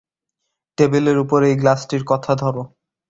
টেবিলের উপর এই গ্লাসটির কথা ধর।